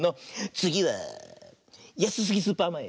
「つぎはやすすぎスーパーまえ。